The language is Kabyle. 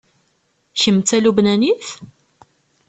Kemm d Talubnanit?